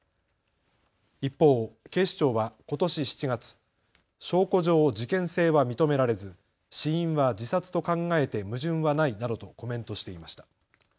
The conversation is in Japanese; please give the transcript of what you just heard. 一方、警視庁はことし７月、証拠上、事件性は認められず死因は自殺と考えて矛盾はないなどとコメントしていました。